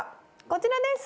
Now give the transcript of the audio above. こちらです！